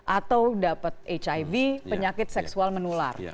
atau dapat hiv penyakit seksual menular